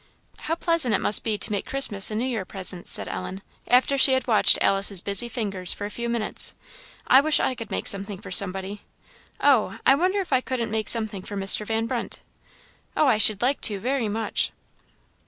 "How pleasant it must be to make Christmas and New Year presents!" said Ellen, after she had watched Alice's busy fingers for a few minutes. "I wish I could make something for somebody. Oh! I wonder if I couldn't make something for Mr. Van Brunt! Oh, I should like to, very much."